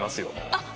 あっ！